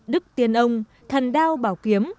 đức tiên ông thần đao bảo kiếm